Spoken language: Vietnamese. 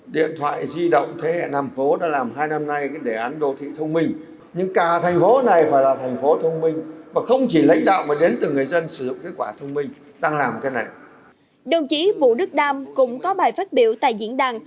đồng chí vũ đức đam cũng có bài phát biểu tại diễn đàn